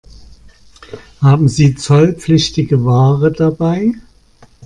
Haben Sie zollpflichtige Ware dabei?